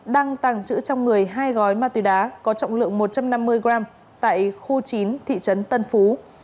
đang tàng trữ trong người hai gói ma túy đá có trọng lượng một trăm năm mươi g tại khu chín thị trấn tân phú